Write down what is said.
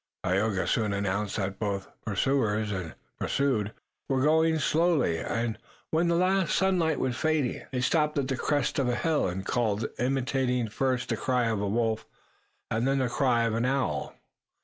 Tayoga soon announced that both pursuers and pursued were going slowly, and, when the last sunlight was fading, they stopped at the crest of a hill and called, imitating first the cry of a wolf, and then the cry of an owl.